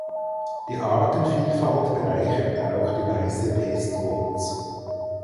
Die Artenvielfalt bereichert auch die Weiße Pestwurz.